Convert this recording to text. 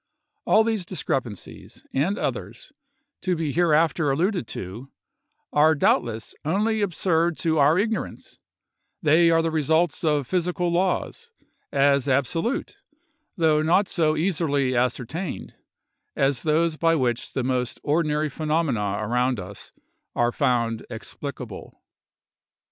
All these discrepancies, and others, to be hereafter alluded to, are doubtless only absurd to our ignorance; they are the results of physical laws, as absolute, though not so easily ascertained, as those by which the most ordinary phenomena around us are found explicable.